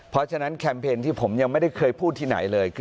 เพราะฉะนั้นแคมเพ็ญที่ผมยังไม่ได้เคยพูดที่ไหนเลย